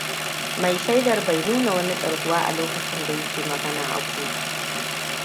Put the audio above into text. Mai shaidan ba nuna wani tsarguwa a lokacin dayake magana a kotu.